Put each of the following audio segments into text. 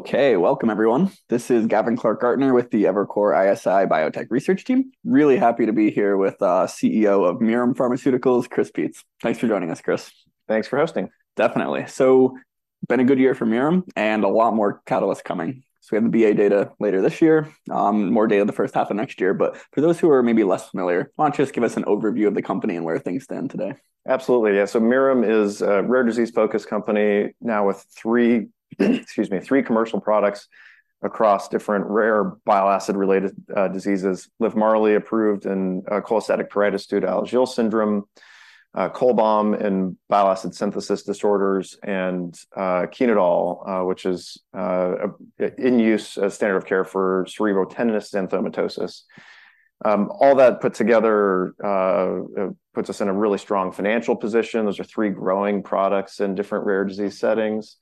Okay, welcome everyone. This is Gavin Clark-Gartner with the Evercore ISI Biotech research team. Really happy to be here with CEO of Mirum Pharmaceuticals, Chris Peetz. Thanks for joining us, Chris. Thanks for hosting. Definitely. So been a good year for Mirum and a lot more catalysts coming. So we have the BA data later this year, more data in the first half of next year. But for those who are maybe less familiar, why don't you just give us an overview of the company and where things stand today? Absolutely. Yeah. So Mirum is a rare disease-focused company now with three, excuse me, three commercial products across different rare bile acid-related diseases. LIVMARLI approved in cholestatic pruritus due to Alagille syndrome, CHOLBAM in bile acid synthesis disorders, and chenodiol, which is in use as standard of care for cerebrotendinous xanthomatosis. All that put together puts us in a really strong financial position. Those are three growing products in different rare disease settings,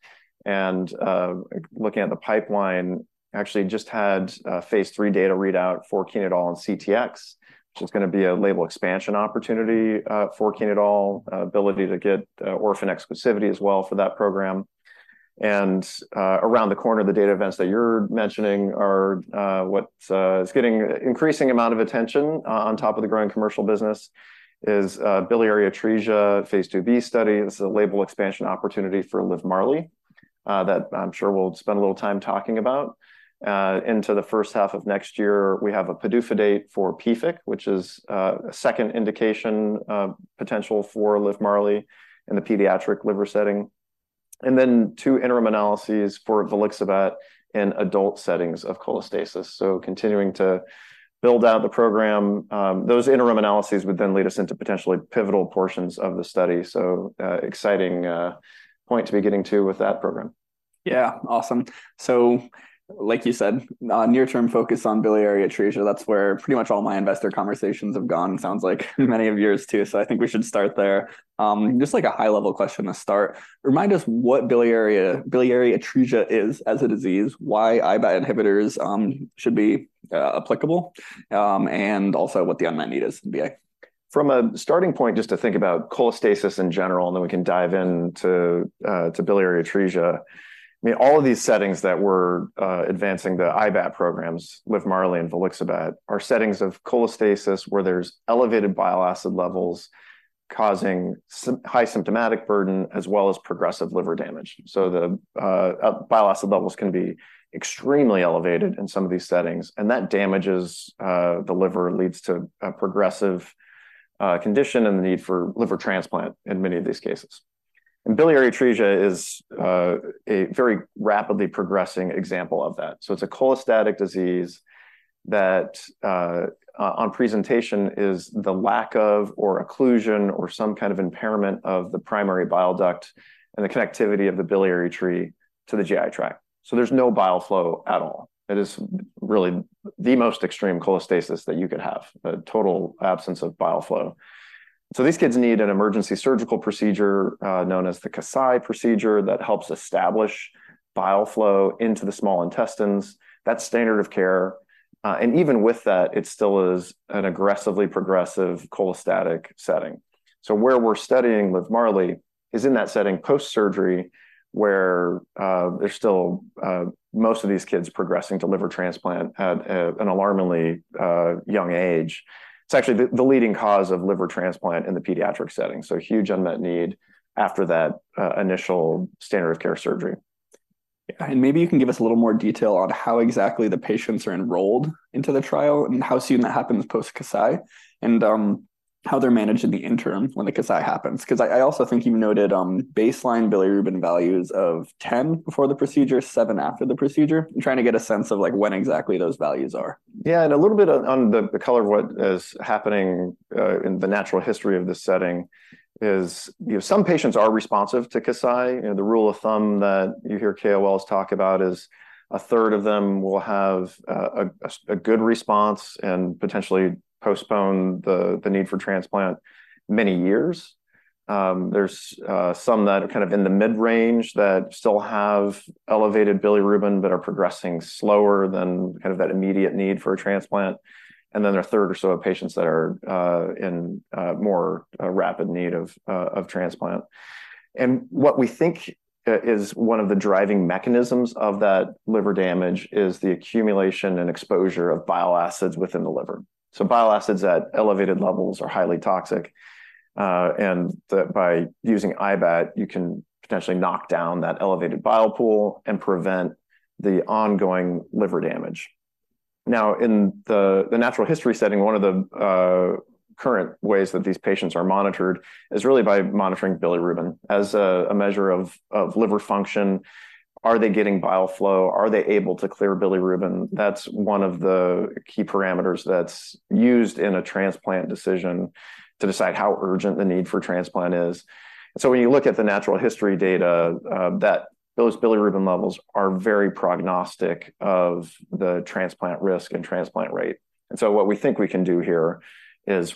and looking at the pipeline, actually just had phase III data readout for chenodiol and CTX, which is going to be a label expansion opportunity for chenodiol, ability to get orphan exclusivity as well for that program. Around the corner, the data events that you're mentioning are what is getting increasing amount of attention, on top of the growing commercial business is biliary atresia, phase II-B study. This is a label expansion opportunity for LIVMARLI, that I'm sure we'll spend a little time talking about. Into the first half of next year, we have a PDUFA date for PFIC, which is a second indication, potential for LIVMARLI in the pediatric liver setting, and then two interim analyses for volixibat in adult settings of cholestasis. So continuing to build out the program, those interim analyses would then lead us into potentially pivotal portions of the study. So, exciting point to be getting to with that program. Yeah. Awesome. So like you said, near-term focus on biliary atresia. That's where pretty much all my investor conversations have gone, sounds like many of yours, too, so I think we should start there. Just like a high-level question to start: remind us what biliary, biliary atresia is as a disease, why IBAT inhibitors should be applicable, and also what the unmet need is in BA. From a starting point, just to think about cholestasis in general, and then we can dive in to biliary atresia. I mean, all of these settings that we're advancing the IBAT programs, LIVMARLI and volixibat, are settings of cholestasis, where there's elevated bile acid levels causing high symptomatic burden, as well as progressive liver damage. So the bile acid levels can be extremely elevated in some of these settings, and that damages the liver, leads to a progressive condition and the need for liver transplant in many of these cases. And biliary atresia is a very rapidly progressing example of that. So it's a cholestatic disease that on presentation, is the lack of or occlusion or some kind of impairment of the primary bile duct and the connectivity of the biliary tree to the GI tract. So there's no bile flow at all. It is really the most extreme cholestasis that you could have, a total absence of bile flow. So these kids need an emergency surgical procedure, known as the Kasai procedure, that helps establish bile flow into the small intestines. That's standard of care, and even with that, it still is an aggressively progressive cholestatic setting. So where we're studying LIVMARLI is in that setting post-surgery, where there's still most of these kids progressing to liver transplant at a, an alarmingly young age. It's actually the leading cause of liver transplant in the pediatric setting, so huge unmet need after that initial standard of care surgery. Maybe you can give us a little more detail on how exactly the patients are enrolled into the trial and how soon that happens post-Kasai, and how they're managed in the interim when the Kasai happens. Because I also think you noted baseline bilirubin values of 10 before the procedure, seven after the procedure. I'm trying to get a sense of like when exactly those values are. Yeah, and a little bit on the color of what is happening in the natural history of this setting is, you know, some patients are responsive to Kasai. You know, the rule of thumb that you hear KOLs talk about is 1/3 of them will have a good response and potentially postpone the need for transplant many years. There's some that are kind of in the mid-range that still have elevated bilirubin but are progressing slower than kind of that immediate need for a transplant, and then 1/3 or so of patients that are in more rapid need of transplant. And what we think is one of the driving mechanisms of that liver damage is the accumulation and exposure of bile acids within the liver. So bile acids at elevated levels are highly toxic, and that by using IBAT, you can potentially knock down that elevated bile pool and prevent the ongoing liver damage. Now, in the natural history setting, one of the current ways that these patients are monitored is really by monitoring bilirubin as a measure of liver function. Are they getting bile flow? Are they able to clear bilirubin? That's one of the key parameters that's used in a transplant decision to decide how urgent the need for transplant is. So when you look at the natural history data, those bilirubin levels are very prognostic of the transplant risk and transplant rate. And so what we think we can do here is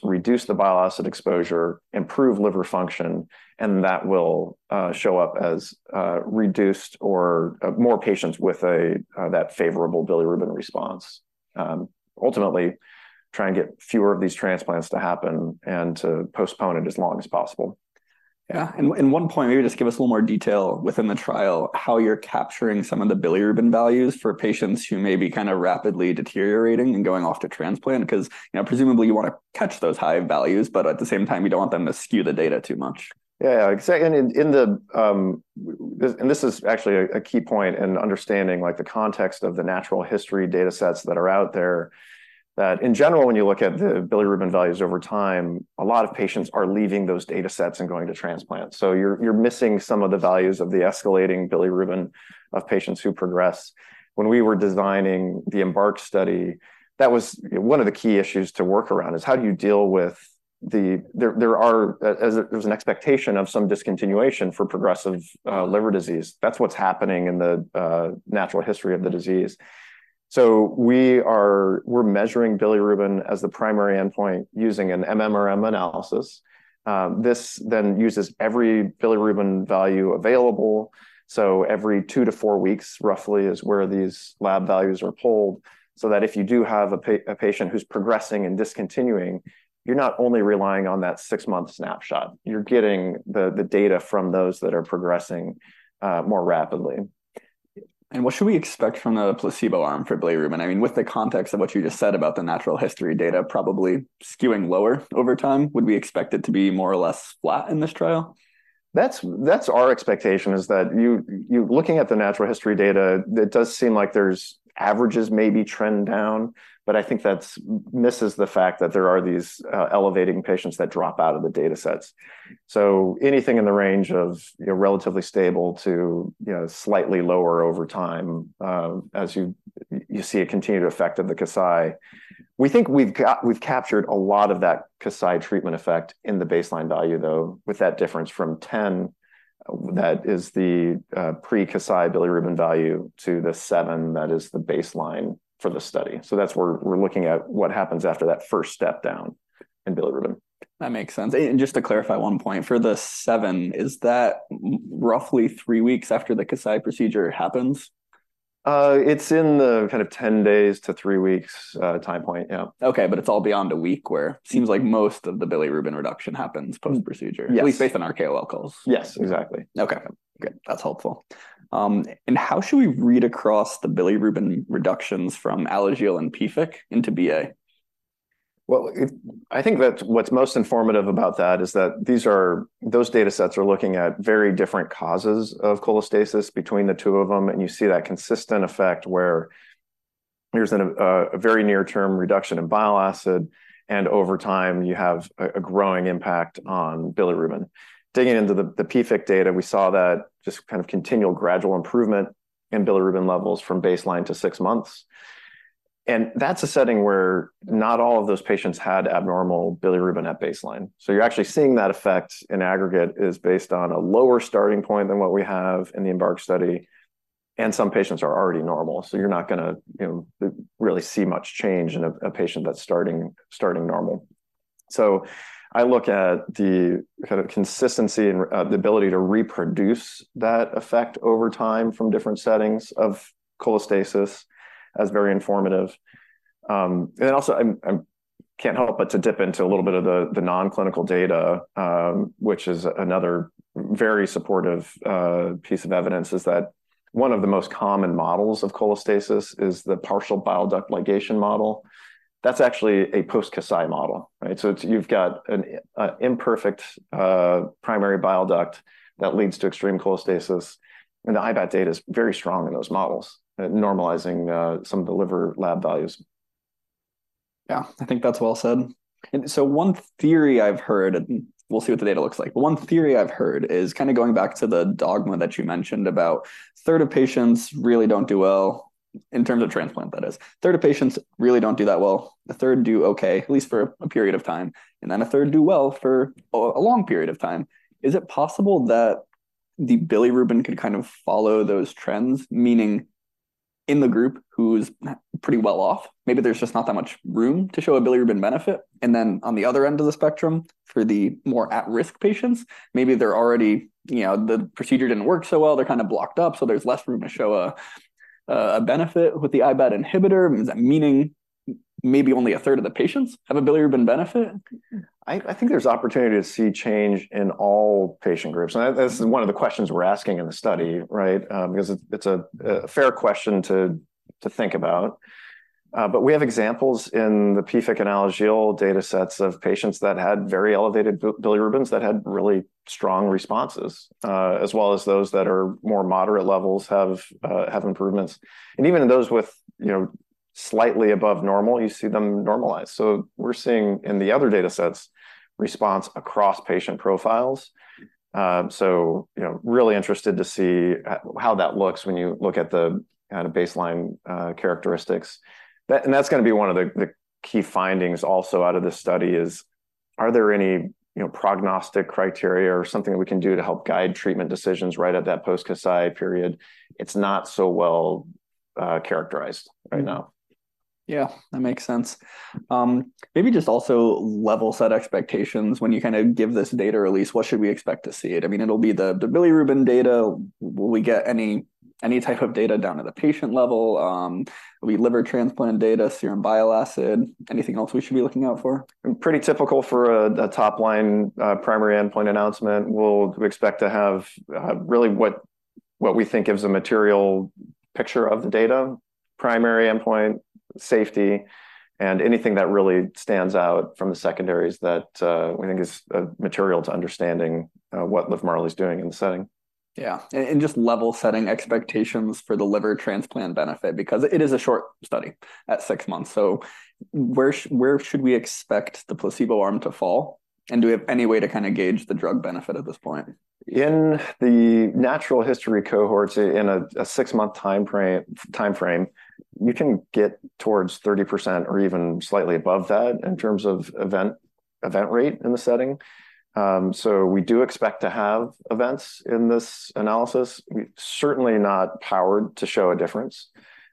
reduce the bile acid exposure, improve liver function, and that will show up as reduced or more patients with that favorable bilirubin response. Ultimately, try and get fewer of these transplants to happen and to postpone it as long as possible. Yeah, and one point, maybe just give us a little more detail within the trial, how you're capturing some of the bilirubin values for patients who may be kind of rapidly deteriorating and going off to transplant. 'Cause, you know, presumably you want to catch those high values, but at the same time, you don't want them to skew the data too much. Yeah, yeah. So in the and this is actually a key point in understanding, like, the context of the natural history datasets that are out there, that in general, when you look at the bilirubin values over time, a lot of patients are leaving those datasets and going to transplant. So you're missing some of the values of the escalating bilirubin of patients who progress. When we were designing the EMBARK study, that was, you know, one of the key issues to work around, is how do you deal with the, there's an expectation of some discontinuation for progressive liver disease. That's what's happening in the natural history of the disease. So we're measuring bilirubin as the primary endpoint using an MMRM analysis. This then uses every bilirubin value available, so every two to four weeks, roughly, is where these lab values are pulled, so that if you do have a patient who's progressing and discontinuing, you're not only relying on that six-month snapshot. You're getting the data from those that are progressing more rapidly. What should we expect from the placebo arm for bilirubin? I mean, with the context of what you just said about the natural history data probably skewing lower over time, would we expect it to be more or less flat in this trial? That's our expectation, that you... Looking at the natural history data, it does seem like there's averages maybe trend down, but I think that misses the fact that there are these elevating patients that drop out of the datasets. So anything in the range of, you know, relatively stable to, you know, slightly lower over time, as you see a continued effect of the Kasai. We think we've captured a lot of that Kasai treatment effect in the baseline value, though, with that difference from 10, that is the pre-Kasai bilirubin value, to the seven, that is the baseline for the study. So that's where we're looking at what happens after that first step down in bilirubin. That makes sense. And just to clarify one point, for the seven, is that roughly three weeks after the Kasai procedure happens? It's in the kind of 10 days to three weeks, time point. Yeah. Okay, but it's all beyond a week, where seems like most of the bilirubin reduction happens post-procedure. Mm. Yes. At least based on our KOL calls. Yes, exactly. Okay. Good, that's helpful. How should we read across the bilirubin reductions from Alagille and PFIC into BA? Well, I think that's what's most informative about that is that those datasets are looking at very different causes of cholestasis between the two of them, and you see that consistent effect where there's a very near-term reduction in bile acid, and over time, you have a growing impact on bilirubin. Digging into the PFIC data, we saw that just kind of continual gradual improvement in bilirubin levels from baseline to six months, and that's a setting where not all of those patients had abnormal bilirubin at baseline. So you're actually seeing that effect in aggregate is based on a lower starting point than what we have in the EMBARK study, and some patients are already normal, so you're not gonna, you know, really see much change in a patient that's starting normal. So I look at the kind of consistency and the ability to reproduce that effect over time from different settings of cholestasis as very informative. And then also, I'm, I can't help but to dip into a little bit of the non-clinical data, which is another very supportive piece of evidence, is that one of the most common models of cholestasis is the partial bile duct ligation model. That's actually a post-Kasai model, right? So it's you've got an imperfect primary bile duct that leads to extreme cholestasis, and the IBAT data is very strong in those models, normalizing some of the liver lab values. Yeah, I think that's well said. And so one theory I've heard, and we'll see what the data looks like, but one theory I've heard is kind of going back to the dogma that you mentioned about 1/3 of patients really don't do well, in terms of transplant, that is. A third of patients really don't do that well. A third do okay, at least for a period of time, and then 1/3 do well for a long period of time. Is it possible that the bilirubin could kind of follow those trends, meaning in the group who's pretty well off, maybe there's just not that much room to show a bilirubin benefit, and then on the other end of the spectrum, for the more at-risk patients, maybe they're already, you know, the procedure didn't work so well, they're kind of blocked up, so there's less room to show a benefit with the IBAT inhibitor, meaning that maybe only 1/3 of the patients have a bilirubin benefit? I think there's opportunity to see change in all patient groups. And that, that's one of the questions we're asking in the study, right? Because it's a fair question to think about. But we have examples in the PFIC and Alagille datasets of patients that had very elevated bilirubins, that had really strong responses, as well as those that are more moderate levels have improvements. And even in those with, you know, slightly above normal, you see them normalize. So we're seeing in the other datasets, response across patient profiles. So you know, really interested to see how that looks when you look at the kind of baseline characteristics. That... That's gonna be one of the key findings also out of this study, is: Are there any, you know, prognostic criteria or something that we can do to help guide treatment decisions right at that post-Kasai period? It's not so well characterized right now. Mm-hmm. Yeah, that makes sense. Maybe just also level-set expectations. When you kind of give this data release, what should we expect to see? I mean, it'll be the bilirubin data. Will we get any type of data down to the patient level, will be liver transplant data, serum bile acid, anything else we should be looking out for? Pretty typical for a top-line primary endpoint announcement. We'll expect to have really what we think gives a material picture of the data, primary endpoint, safety, and anything that really stands out from the secondaries that we think is material to understanding what LIVMARLI is doing in the setting. Yeah, and just level-setting expectations for the liver transplant benefit, because it is a short study at six months. So where should we expect the placebo arm to fall? And do we have any way to kinda gauge the drug benefit at this point? In the natural history cohorts, in a six-month time frame, you can get towards 30% or even slightly above that in terms of event rate in the setting. So we do expect to have events in this analysis. We're certainly not powered to show a difference,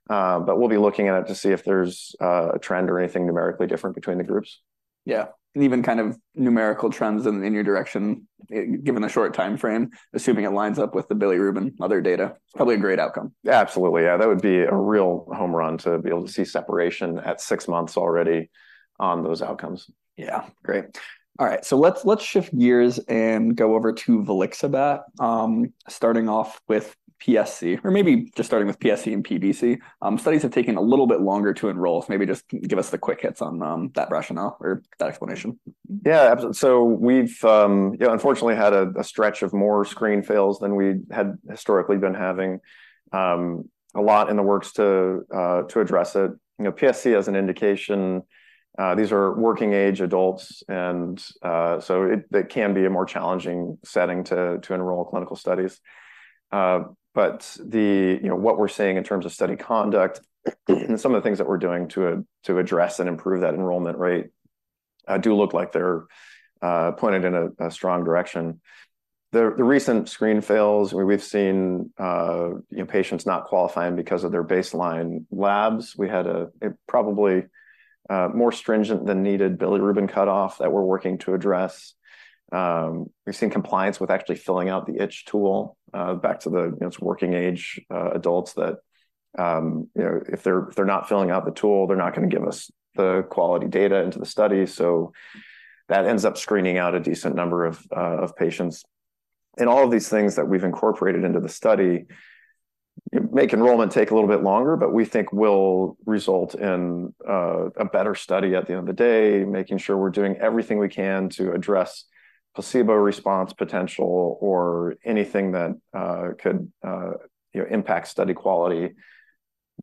but we'll be looking at it to see if there's a trend or anything numerically different between the groups. Yeah. Even kind of numerical trends in your direction, given the short time frame, assuming it lines up with the bilirubin, other data, it's probably a great outcome. Absolutely. Yeah, that would be a real home run to be able to see separation at six months already on those outcomes. Yeah. Great. All right, so let's shift gears and go over to volixibat. Starting off with PSC, or maybe just starting with PSC and PBC. Studies have taken a little bit longer to enroll, so maybe just give us the quick hits on that rationale or that explanation. Yeah. So we've, you know, unfortunately had a stretch of more screen fails than we had historically been having. A lot in the works to address it. You know, PSC as an indication, these are working age adults, and so that can be a more challenging setting to enroll clinical studies. But you know, what we're seeing in terms of study conduct, and some of the things that we're doing to address and improve that enrollment rate, do look like they're pointed in a strong direction. The recent screen fails, where we've seen, you know, patients not qualifying because of their baseline labs, we had a probably more stringent than needed bilirubin cutoff that we're working to address. We've seen compliance with actually filling out the itch tool back to the, you know, working age adults that, you know, if they're not filling out the tool, they're not gonna give us the quality data into the study. So that ends up screening out a decent number of patients. And all of these things that we've incorporated into the study make enrollment take a little bit longer, but we think will result in a better study at the end of the day, making sure we're doing everything we can to address placebo response potential or anything that could, you know, impact study quality,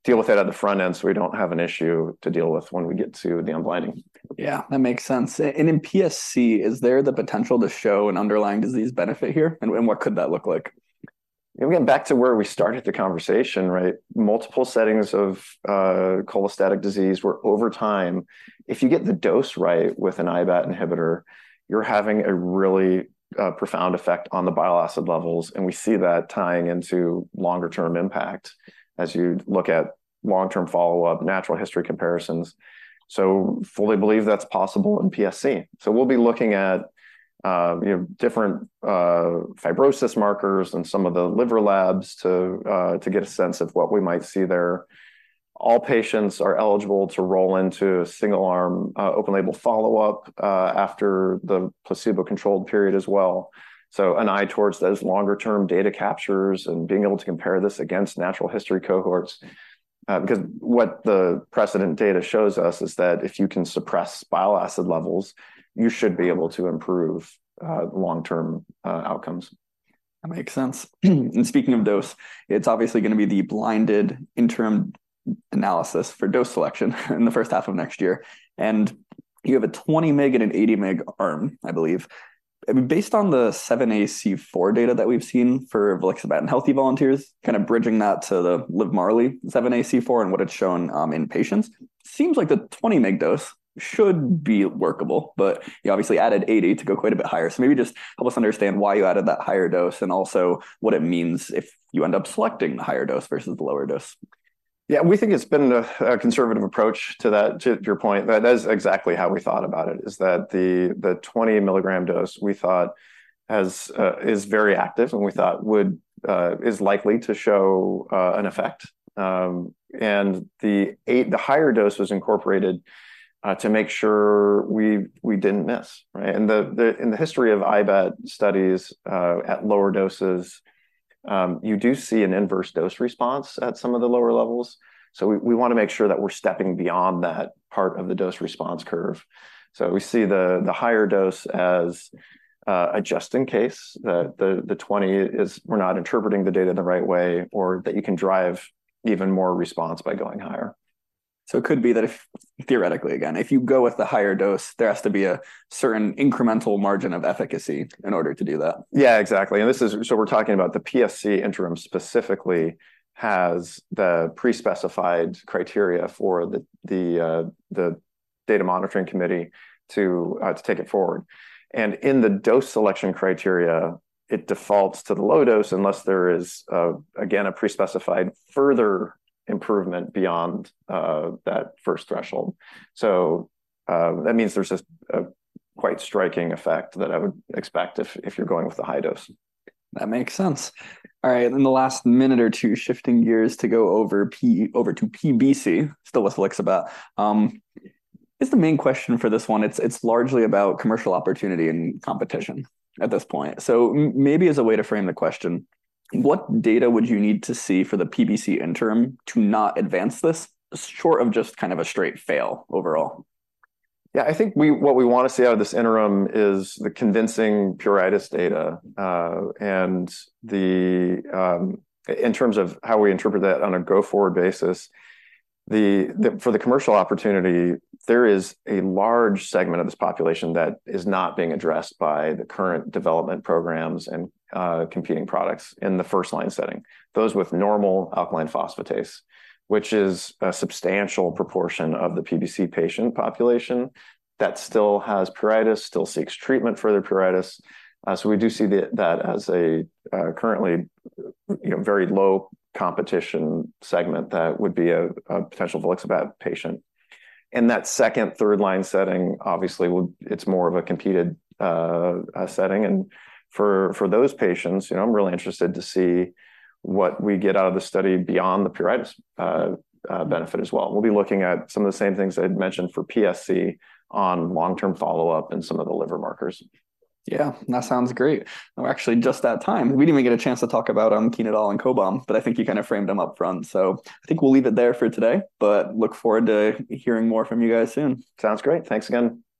deal with it at the front end, so we don't have an issue to deal with when we get to the unblinding. Yeah, that makes sense. In PSC, is there the potential to show an underlying disease benefit here? What could that look like? And again, back to where we started the conversation, right? Multiple settings of cholestatic disease, where over time, if you get the dose right with an IBAT inhibitor, you're having a really profound effect on the bile acid levels, and we see that tying into longer term impact as you look at long-term follow-up, natural history comparisons. So fully believe that's possible in PSC. So we'll be looking at, you know, different fibrosis markers and some of the liver labs to get a sense of what we might see there. All patients are eligible to roll into a single arm open label follow-up after the placebo-controlled period as well. So an eye towards those longer term data captures and being able to compare this against natural history cohorts, because what the precedent data shows us is that if you can suppress bile acid levels, you should be able to improve, long-term, outcomes. That makes sense. Speaking of dose, it's obviously gonna be the blinded interim analysis for dose selection in the first half of next year. You have a 20 mg and an 80 mg arm, I believe. I mean, based on the 7aC4 data that we've seen for volixibat and healthy volunteers, kind of bridging that to the LIVMARLI 7aC4 and what it's shown in patients, seems like the 20 mg dose should be workable, but you obviously added 80 mg to go quite a bit higher. So maybe just help us understand why you added that higher dose, and also what it means if you end up selecting the higher dose versus the lower dose. Yeah, we think it's been a conservative approach to that. To your point, that is exactly how we thought about it, is that the 20 mg dose we thought is very active and we thought is likely to show an effect. And the higher dose was incorporated to make sure we didn't miss, right? And in the history of IBAT studies at lower doses you do see an inverse dose-response at some of the lower levels. So we wanna make sure that we're stepping beyond that part of the dose-response curve. So we see the higher dose as a just in case, the 20 mg is, we're not interpreting the data in the right way, or that you can drive even more response by going higher. It could be that if, theoretically, again, if you go with the higher dose, there has to be a certain incremental margin of efficacy in order to do that. Yeah, exactly. And this is. So we're talking about the PSC interim specifically has the pre-specified criteria for the data monitoring committee to take it forward. And in the dose selection criteria, it defaults to the low dose unless there is again a pre-specified further improvement beyond that first threshold. So that means there's a quite striking effect that I would expect if you're going with the high dose. That makes sense. All right, in the last minute or two, shifting gears to go over to PBC, still with volixibat. Is the main question for this one, it's largely about commercial opportunity and competition at this point. So maybe as a way to frame the question, what data would you need to see for the PBC interim to not advance this, short of just kind of a straight fail overall? Yeah, I think what we want to see out of this interim is the convincing pruritus data. And in terms of how we interpret that on a go-forward basis, for the commercial opportunity, there is a large segment of this population that is not being addressed by the current development programs and competing products in the first line setting. Those with normal alkaline phosphatase, which is a substantial proportion of the PBC patient population, that still has pruritus, still seeks treatment for their pruritus. So we do see that as a currently, you know, very low competition segment that would be a potential volixibat patient. In that second, third line setting, obviously, it's more of a competitive setting. For those patients, you know, I'm really interested to see what we get out of the study beyond the pruritus benefit as well. We'll be looking at some of the same things I'd mentioned for PSC on long-term follow-up and some of the liver markers. Yeah, that sounds great. We're actually just that time. We didn't even get a chance to talk about chenodiol and CHOLBAM, but I think you kind of framed them upfront, so I think we'll leave it there for today, but look forward to hearing more from you guys soon. Sounds great. Thanks again.